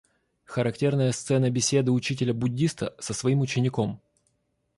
Характерная сцена беседы учителя-буддиста со своим учеником.